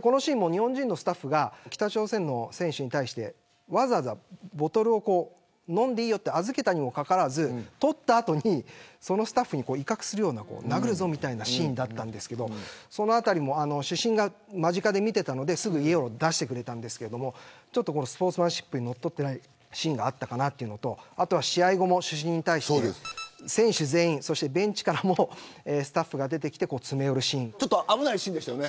このシーンも日本人のスタッフが北朝鮮の選手に対してわざわざボトルを飲んでいいよって預けたにもかかわらず取った後にそのスタッフを威嚇するような殴るぞみたいなシーンだったんですけどそのあたりも主審が間近で見ていたのですぐイエローを出してくれたんですけどちょっとスポーツマンシップにのっとっていないシーンがあったかなというのとあとは試合後も主審に対して選手全員、そしてベンチからもスタッフが出てきて危ないシーンでしたよね。